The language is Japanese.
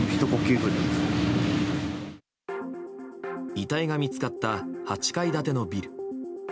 遺体が見つかった８階建てのビル。